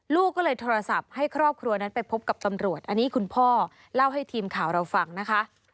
ลูกก็เลยโทรศัพท์ให้ครอบครัวนั้นไปพบกับตำรวจอันนี้คุณพ่อเล่าให้ทีมข่าวเราฟังนะคะ